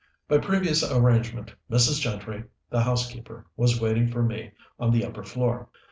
By previous arrangement Mrs. Gentry, the housekeeper, was waiting for me on the upper floor.